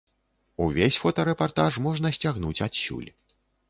Увесь фота-рэпартаж можна сцягнуць адсюль.